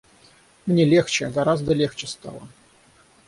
Мне легче, гораздо легче стало.